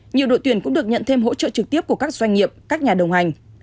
nhiều đội tuyển cũng được nhận thêm hỗ trợ trực tiếp của các doanh nghiệp các nhà đồng hành